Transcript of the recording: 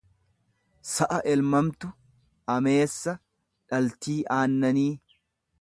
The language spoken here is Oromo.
sa'a elmamtu, ameessa, dhaltii aannanii.